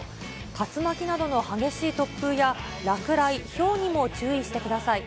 竜巻などの激しい突風や、落雷、ひょうにも注意してください。